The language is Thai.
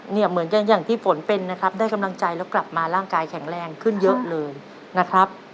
เหมือนอย่างที่ฝนเป็นนะครับได้กำลังใจแล้วกลับมาร่างกายแข็งแรงขึ้นเยอะเลยนะครับ